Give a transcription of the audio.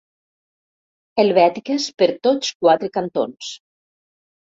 Helvètiques per tots quatre cantons.